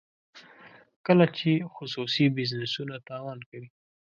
کله چې خصوصي بزنسونه تاوان کوي.